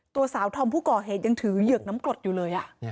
ตัวสาวธอมผู้ก่อเหตุยังถือเหยือกน้ำกรดอยู่เลย